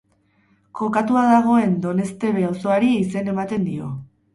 Kokatua dagoen Doneztebe auzoari izen ematen dio.